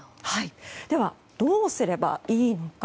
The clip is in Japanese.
では、どうすればいいのか。